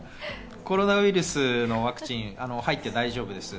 コロナウイルスのワクチン、入って大丈夫です。